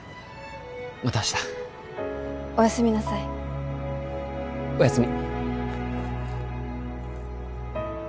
また明日おやすみなさいおやすみ